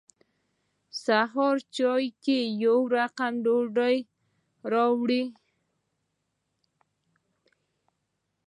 سهار چای کې یې يو رقم ډوډۍ راوړه.